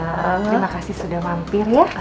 terima kasih sudah mampir ya